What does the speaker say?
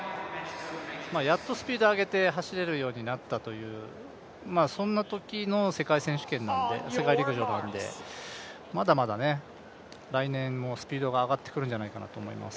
やっとスピード上げて走れるようになったというそんなときの世界陸上なのでまだまだね、来年もスピードが上がってくるんじゃないかなと思います。